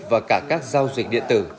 và cả các giao dịch điện tử